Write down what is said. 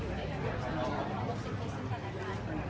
ที่จะมีความสิทธิ์อยู่ในกับคุณ